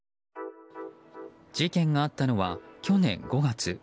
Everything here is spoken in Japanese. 事件があったのは去年５月。